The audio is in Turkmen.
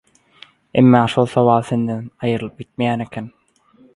Emma şol sowal senden aýrylyp gitmeýän eken.